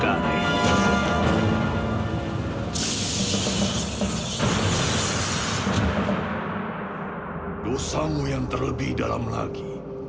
kau ingatkan dosamu yang terlebih dalam lagi